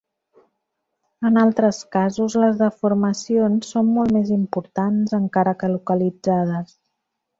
En altres casos, les deformacions són molt més importants, encara que localitzades.